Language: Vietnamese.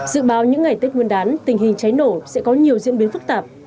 dự báo những ngày tết nguyên đán tình hình cháy nổ sẽ có nhiều diễn biến phức tạp